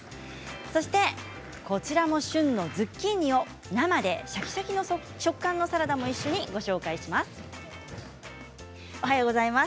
そしてこちらも旬のズッキーニを生でシャキシャキの食感のサラダも一緒にご紹介します。